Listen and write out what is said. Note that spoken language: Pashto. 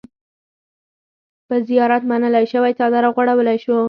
په زيارت منلے شوے څادر اوغوړولے شو۔